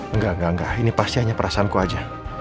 enggak enggak enggak ini pasti hanya perasaanku aja